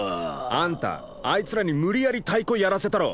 あんたあいつらに無理やり太鼓やらせたろ。